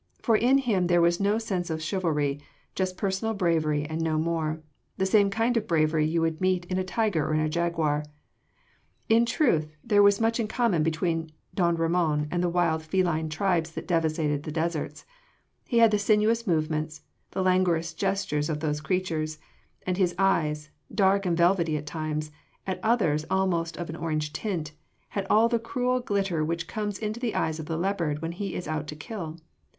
For in him there was no sense of chivalry just personal bravery and no more the same kind of bravery you would meet in a tiger or a jaguar. In truth there was much in common between don Ramon and the wild feline tribes that devastate the deserts: he had the sinuous movements, the languorous gestures of those creatures, and his eyes dark and velvety at times, at others almost of an orange tint had all the cruel glitter which comes into the eyes of the leopard when he is out to kill.